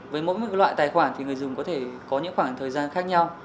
với mỗi một loại tài khoản thì người dùng có thể có những khoảng thời gian khác nhau